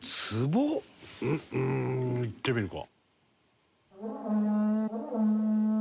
うーんいってみるか。